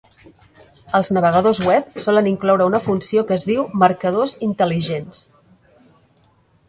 Els navegadors web solen incloure una funció que es diu "marcadors intel·ligents".